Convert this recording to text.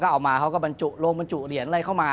เอามาเขาก็บรรจุลงบรรจุเหรียญอะไรเข้ามา